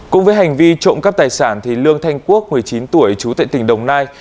cùng với hành vi trộm cắp tài sản lương thanh quốc một mươi chín tuổi trú tại tỉnh đồng nai